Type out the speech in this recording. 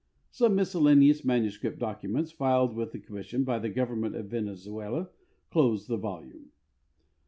Some miscellaneous manuscript documents, filed with the commission by the government of Venezuela, close the volume.